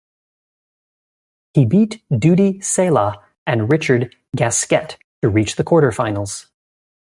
He beat Dudi Sela and Richard Gasquet to reach the quarterfinals.